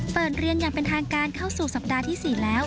เปิดเรียนอย่างเป็นทางการเข้าสู่สัปดาห์ที่๔แล้ว